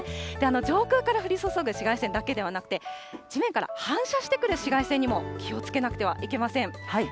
上空から降り注ぐ紫外線だけではなくて、地面から反射してくる紫外線にも気をつけなくてはいけません。